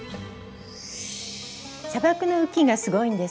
砂漠の雨季がすごいんです。